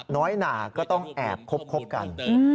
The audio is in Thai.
หนาก็ต้องแอบคบกัน